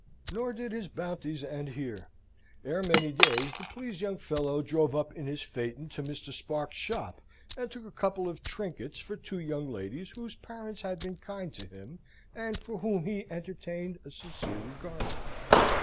Nor did his bounties end here. Ere many days the pleased young fellow drove up in his phaeton to Mr. Sparks' shop, and took a couple of trinkets for two young ladies, whose parents had been kind to him, and for whom he entertained a sincere regard.